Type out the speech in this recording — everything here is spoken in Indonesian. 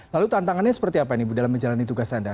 lalu tantangannya seperti apa ibu dalam menjalani tugas anda